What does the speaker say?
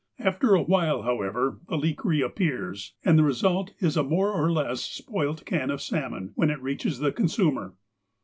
After a while, however, the leak reappears, and the re sult is a more or less spoilt can of salmon, when it reaches the consumer.